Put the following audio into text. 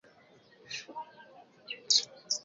Vita hivyo vilianza mwaka elfu mbili kumi na mbili